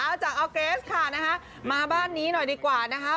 เอาจากออร์เกสค่ะนะคะมาบ้านนี้หน่อยดีกว่านะคะ